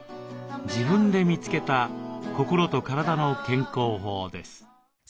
自分で見つけた心と体の健康法です。